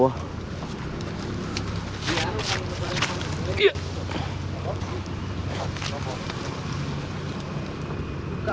untuk membuat kanak menjadi